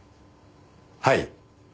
はい。